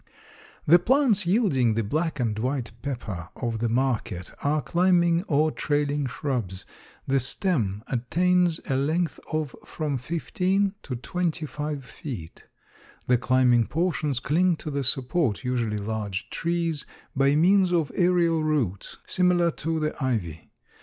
The plants yielding the black and white pepper of the market are climbing or trailing shrubs. The stem attains a length of from 15 to 25 feet. The climbing portions cling to the support (usually large trees) by means of aerial roots similar to the ivy.